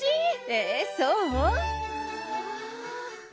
えっそう？